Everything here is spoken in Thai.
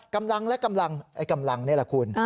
กำลังและกำลังไอ้กำลังนี่แหละคุณ